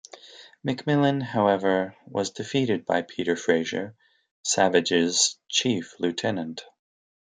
McMillan, however, was defeated by Peter Fraser, Savage's chief lieutenant.